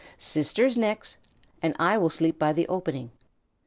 Sisters next, and I will sleep by the opening.